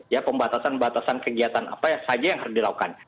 ya pembatasan batasan kegiatan apa saja yang harus dilakukan